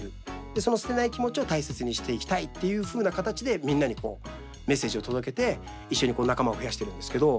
その捨てない気持ちを大切にしていきたいって形でみんなにメッセージを届けて一緒に仲間を増やしているんですけど。